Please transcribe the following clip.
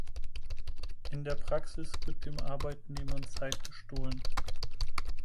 In der Praxis wird den Arbeitnehmern Zeit gestohlen.